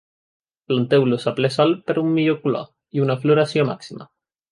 Planteu-los a ple sol per a un millor color i una floració màxima.